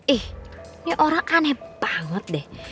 eh ini orang aneh banget deh